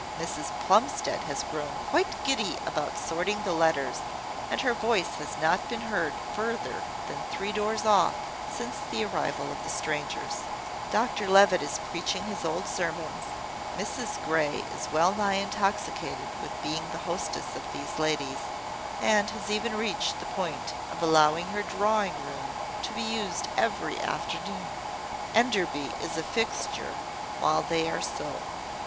Mrs Plumstead has grown quite giddy about sorting the letters, and her voice has not been heard further than three doors off since the arrival of the strangers. Dr Levitt is preaching his old sermons. Mrs Grey is well nigh intoxicated with being the hostess of these ladies, and has even reached the point of allowing her drawing room to be used every afternoon. Enderby is a fixture while they are so.